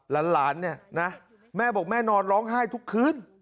หลานเนี่ยนะแม่บอกแม่นอนร้องไห้ทุกคืน